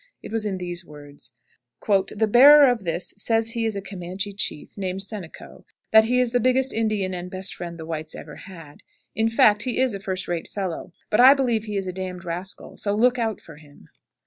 It was in these words: "The bearer of this says he is a Comanche chief, named Senaco; that he is the biggest Indian and best friend the whites ever had; in fact, that he is a first rate fellow; but I believe he is a d d rascal, so look out for him."